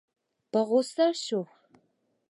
په غوسه شو.